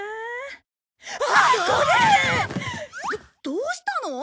どどうしたの？